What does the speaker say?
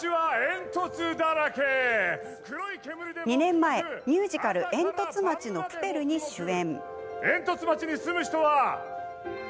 ２年前、ミュージカル「えんとつ町のプペル」に主演。